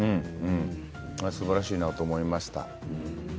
すばらしいなと思いました。